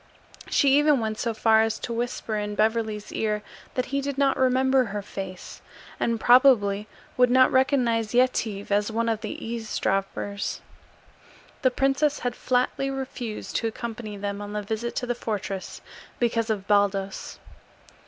She even went so far as to whisper in Beverly's ear that he did not remember her face, and probably would not recognize Yetive as one of the eavesdroppers. The princess had flatly refused to accompany them on the visit to the fortress because of Baldos.